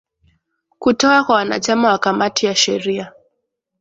kutoka kwa wanachama wa kamati ya sheria